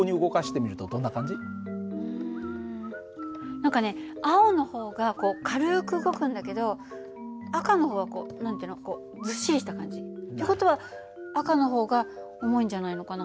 何かね青の方がこう軽く動くんだけど赤の方はこう何て言うのずっしりした感じ。って事は赤の方が重いんじゃないのかな。